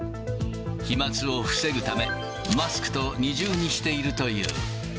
飛まつを防ぐため、マスクと二重にしているという。